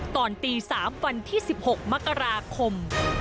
ตอนตีสามวันที่สิบหกมกราคม